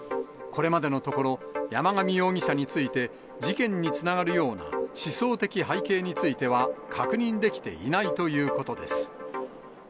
これまでのところ、山上容疑者について、事件につながるような思想的背景については、確認できていないということです。